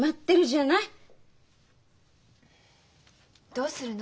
どうするの？